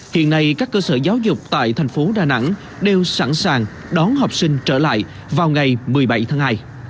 hiện nay các cơ sở giáo dục tại thành phố đà nẵng đều sẵn sàng đón học sinh trở lại vào ngày một mươi bảy tháng hai